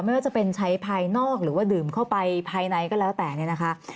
ไม่ว่าจะเป็นใช้ภายนอกหรือว่าดื่มเข้าไปภายในก็แล้วแต่เนี่ยนะคะ